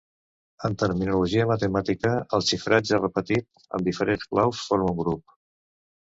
En terminologia matemàtica, el xifratge repetit amb diferents claus forma un grup.